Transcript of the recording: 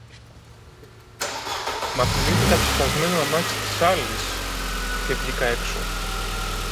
Μα θυμήθηκα το σπασμένο αμάξι της άλλης φοράς και βγήκα έξω.